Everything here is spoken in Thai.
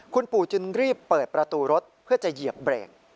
คุณปู่จึงรีบเปิดประตูรถเพื่อจะเหยียบเบรก